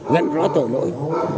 nhận rõ tội lỗi